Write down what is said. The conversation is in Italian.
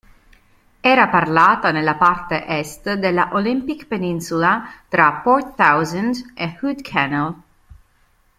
Era parlata nella parte est della Olympic Peninsula tra Port Townsend e Hood Canal.